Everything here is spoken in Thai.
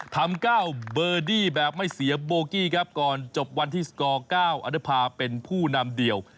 ทำ๙เบอร์ดี้แบบไม่เสียโบกี้ครับก่อนจบวันที่สกอร์๙อนภาเป็นผู้นำเดียว